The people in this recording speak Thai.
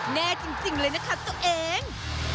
แน่จริงเลยนะคะตัวเอง